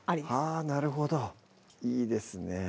あぁなるほどいいですね